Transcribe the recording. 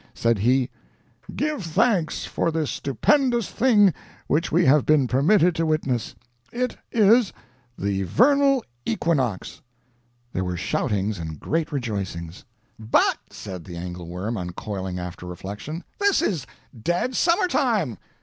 Said he: "Give thanks for this stupendous thing which we have been permitted to witness. It is the Vernal Equinox!" There were shoutings and great rejoicings. "But," said the Angle Worm, uncoiling after reflection, "this is dead summer time."